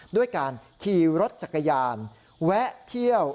ด้วยการขี่รถจักรยานแวะเที่ยว